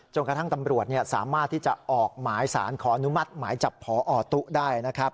กระทั่งตำรวจสามารถที่จะออกหมายสารขออนุมัติหมายจับพอตุ๊ได้นะครับ